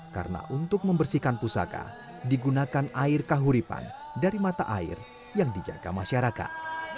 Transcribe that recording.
karena untuk membersihkan pusaka digunakan air kahuripan dari mata air yang dijaga masyarakat